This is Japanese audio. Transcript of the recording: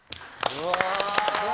うわ！